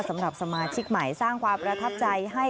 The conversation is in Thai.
สำหรับสมาชิกใหม่สร้างความประทับใจให้